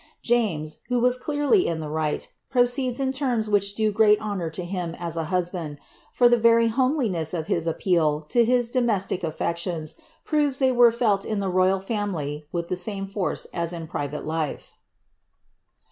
James, who was clearly in the right, proceeds in terms which do great honour to him as a husband, for the very homeliness of his appeal to his domestic affections proves they were felt in the royal fiunily with the same force as in private life.